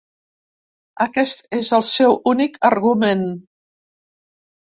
Aquest és el seu únic argument.